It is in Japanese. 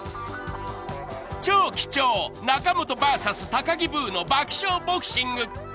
［超貴重仲本ＶＳ高木ブーの爆笑ボクシング！］